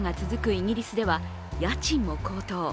イギリスでは、家賃も高騰。